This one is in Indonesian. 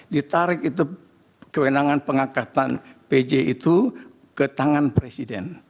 ditarik itu kewenangan pengangkatan pj itu ke tangan presiden